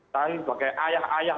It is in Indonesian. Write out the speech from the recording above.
saya sebagai ayah ayah